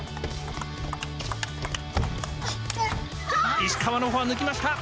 石川のフォア、抜きました。